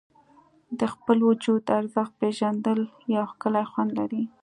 د خپل وجود ارزښت پېژندل یو ښکلی خوند لري.